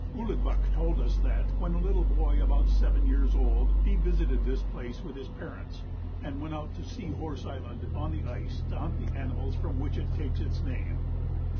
Ouligbuck told us that, when a little boy about seven years old, he visited this place with his parents, and went out to Sea Horse Island on the ice to hunt the animals from which it takes its name.